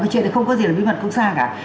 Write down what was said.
cái chuyện này không có gì là bí mật cũng xa cả